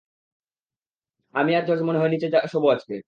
আমি আর জর্জ মনে হয় নিচে শোবো আজকে।